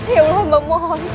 ya allah memohon